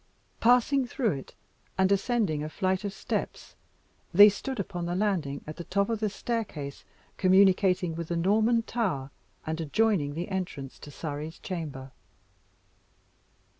Passing through it, and ascending a flight of steps, they stood upon the landing at the top of the staircase communicating with the Norman Tower, and adjoining the entrance to Surrey's chamber.